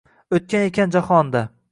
O’tgan ekan jahonda.